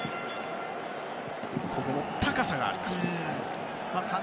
ここも高さがありました。